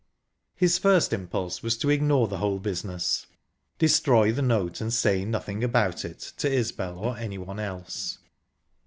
His first impulse was to ignore the whole business, destroy the note, and say nothing about it to Isbel or anyone else.